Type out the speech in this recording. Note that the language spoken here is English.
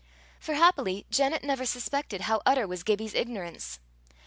For happily Janet never suspected how utter was Gibbie's ignorance.